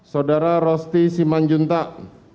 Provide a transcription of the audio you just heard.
saudara rosti simanjuntak